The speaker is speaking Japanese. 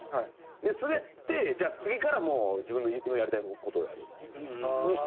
スベってじゃあ次からもう自分のやりたいことをやるっていうふうにしてた。